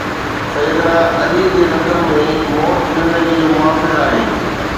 سيد نه عليءَ جي لفظن ۾ موت زندگيءَ جو محافظ آهي.